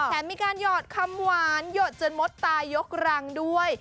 แถมมีการหยอดคำหวานหยดจนมดตายกรังด้วย